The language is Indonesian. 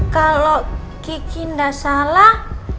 kalau kiki gak salah